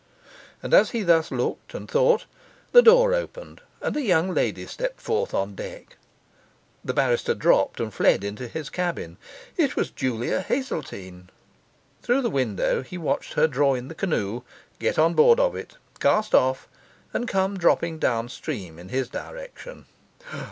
And as he thus looked and thought, the door opened, and a young lady stepped forth on deck. The barrister dropped and fled into his cabin it was Julia Hazeltine! Through the window he watched her draw in the canoe, get on board of it, cast off, and come dropping downstream in his direction.